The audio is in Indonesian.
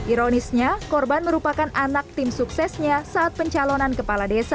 ironisnya korban merupakan anak tim suksesnya saat pencalonan kepala desa